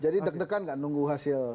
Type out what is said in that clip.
deg degan gak nunggu hasil